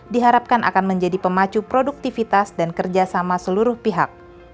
diharapkan akan menjadi pemacu produktivitas dan kerjasama seluruh pihak